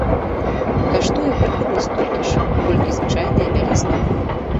Каштуе прыкладна столькі ж, колькі звычайная бялізна.